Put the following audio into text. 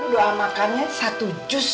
lu doa makannya satu jus sih